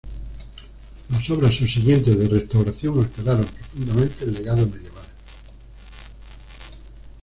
Las obras subsiguientes de restauración alteraron profundamente el legado medieval.